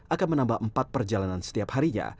akan menambah empat perjalanan setiap harinya